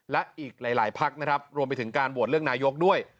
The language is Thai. และอีกหลายพักนะครับรวมไปถึงการโหวตเลือกนายกด้วย